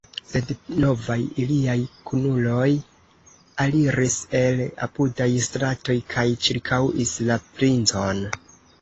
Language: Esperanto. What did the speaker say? Sed novaj iliaj kunuloj aliris el apudaj stratoj kaj ĉirkaŭis la princon.